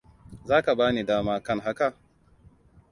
Za ka bani dama kan haka?